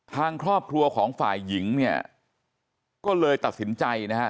ทางครอบครัวของฝ่ายหญิงเนี่ยก็เลยตัดสินใจนะฮะ